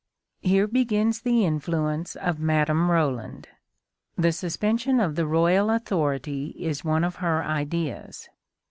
Here begins the influence of Madame Roland. The suspension of the royal authority is one of her ideas.